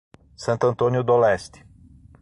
Santo Antônio do Leste